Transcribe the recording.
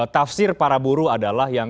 tafsir para buruh adalah yang